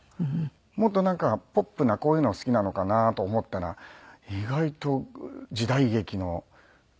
もっとなんかポップなこういうの好きなのかなと思ったら意外と時代劇の。